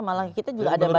malah kita juga ada banyak